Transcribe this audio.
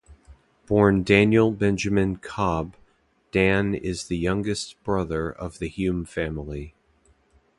Born Daniel Benjamin Cobbe, Dann is the youngest brother of the Hume family.